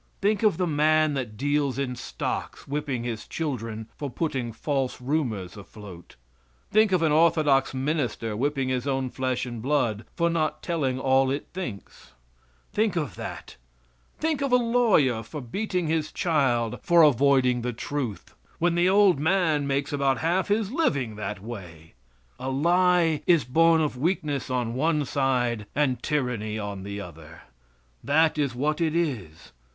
Think of the man that deals in stocks whipping his children for putting false rumors afloat! Think of an orthodox minister whipping his own flesh and blood, for not telling all it thinks! Think of that! Think of a lawyer for beating his child for avoiding the truth! when the old man makes about half his living that way. A lie is born of weakness on one side and tyranny on the other. That is what it is.